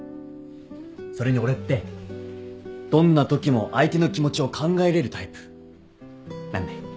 それに俺ってどんなときも相手の気持ちを考えれるタイプなんで。